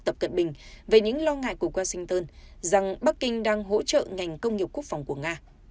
tập cận bình về những lo ngại của washington rằng bắc kinh đang hỗ trợ ngành công nghiệp quốc phòng của nga